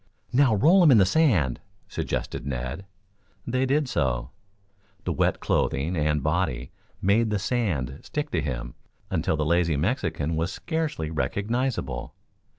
"Now roll him in the sand," suggested Ned. They did so. The wet clothing and body made the sand stick to him until the lazy Mexican was scarcely recognizable.